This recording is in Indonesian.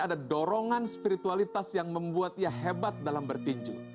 ada dorongan spiritualitas yang membuat ia hebat dalam bertinju